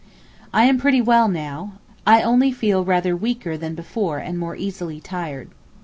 I am pretty well now; I only feel rather weaker than before and more easily tired.